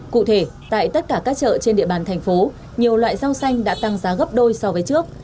cụ thể tại tất cả các chợ trên địa bàn thành phố nhiều loại rau xanh đã tăng giá gấp đôi so với trước